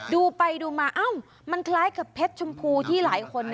ดูไปดูมามันคล้ายกับเพชรชมพูที่หลายคน